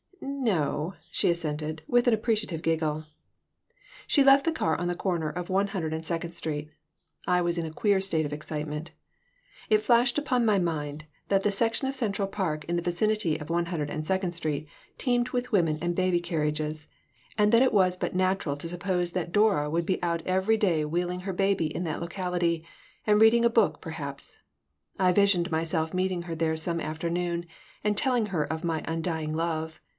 "N no," she assented, with an appreciative giggle She left the car on the corner of One Hundred and Second Street. I was in a queer state of excitement It flashed upon my mind that the section of Central Park in the vicinity of One Hundred and Second Street teemed with women and baby carriages, and that it was but natural to suppose that Dora would be out every day wheeling her baby in that locality, and reading a book, perhaps. I visioned myself meeting her there some afternoon and telling her of my undying love.